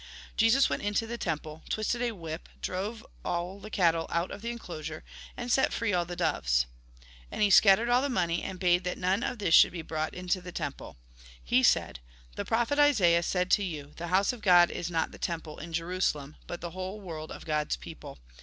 Jesus went into the temple, twisted a whip, drove all the cattle oxit of the enclosure, and set free all the doves. And he scattered all the money, and bade that none of this should be brought into the temple. He said :" The prophet Isaiah said to you : The horise of God is not the temple in Jerusalem, but the whole world of God's people.